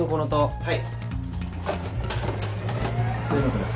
はい。